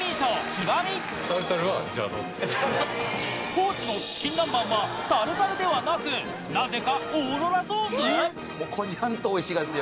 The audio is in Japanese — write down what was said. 高知のチキンナンバンはタルタルではなくなぜかオーロラソース⁉えっ！